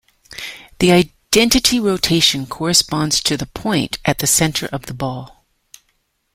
The identity rotation corresponds to the point at the center of the ball.